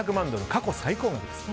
過去最高額です。